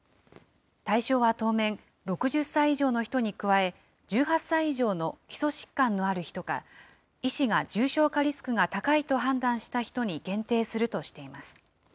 対象は当面、６０歳以上の人に加え、１８歳以上の基礎疾患のある人か、医師が重症化リスクが高いと判断した人に限定するとしています。